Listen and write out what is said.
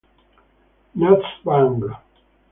Nuts Bang!!!